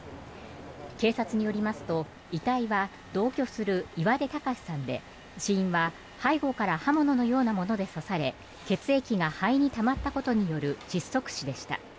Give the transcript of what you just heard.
警察によりますと遺体は同居する岩出剛史さんで死因は、背後から刃物のようなもので刺され血液が肺にたまったことによる窒息死でした。